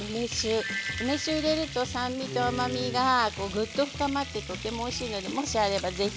梅酒を入れると酸味と甘みがぐっと高まってとてもおいしいんです、もしあれば。